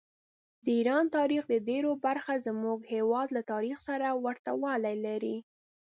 د ایران تاریخ ډېره برخه زموږ د هېواد له تاریخ سره ورته والي لري.